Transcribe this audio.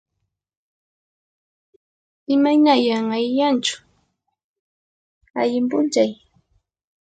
Imaynallan? Allillanchu? Allin p'unchay!